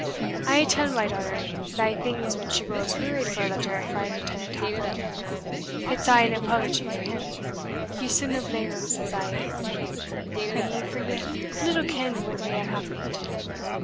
I aye tell my daughter thae things when she grows wearied for a letter frae Lieutenant Taffril It's aye an apology for him. Ye sudna blame him, says I, hinny, for ye little ken what may hae happened."